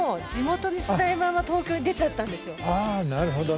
あなるほどね。